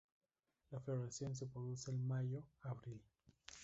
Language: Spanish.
La floración se produce en mayo–abril.